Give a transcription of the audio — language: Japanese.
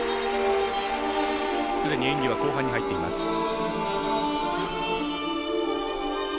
すでに演技は後半に入っています。